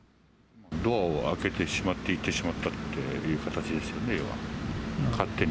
ドアを開けてしまっていってしまったっていう形ですよね、勝手に。